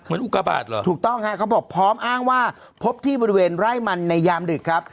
อุกบาทเหรอถูกต้องฮะเขาบอกพร้อมอ้างว่าพบที่บริเวณไร่มันในยามดึกครับ